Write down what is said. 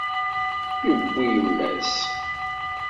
Yuwi yemma-s.